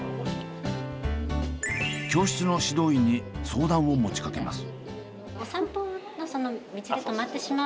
教室の指導員に相談を持ちかけます。